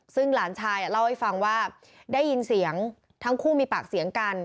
ซึ่งหลานชายเล่าให้ฟังว่าได้ยินเสียงทั้งคู่มีปากเสียงกัน